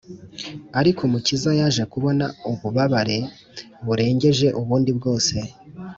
Ariko Umukiza yaje kubona ububabare burengeje ubundi bwose